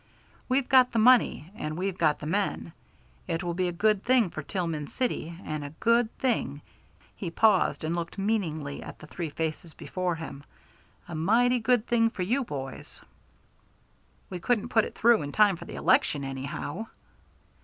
We've got the money, and we've got the men. It will be a good thing for Tillman City, and a good thing" he paused, and looked meaningly at the three faces before him "a mighty good thing for you boys." "We couldn't put it through in time for the election anyhow."